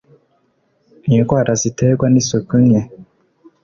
indwara ziterwa n’isuku nke